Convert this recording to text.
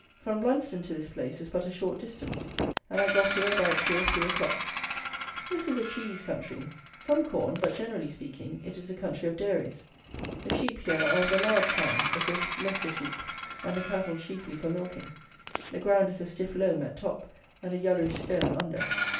From Blunsdon to this place is but a short distance, and I got here about two or three o'clock. This is a cheese country; some corn, but, generally speaking, it is a country of dairies. The sheep here are of the large kind; a sort of Leicester sheep, and the cattle chiefly for milking. The ground is a stiff loam at top, and a yellowish stone under.